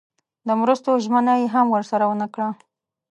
د مرستو ژمنه یې هم ورسره ونه کړه.